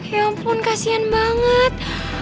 ya ampun kasihan banget